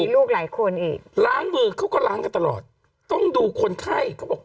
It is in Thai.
ลูกหลายคนอีกล้างมือเขาก็ล้างกันตลอดต้องดูคนไข้เขาบอก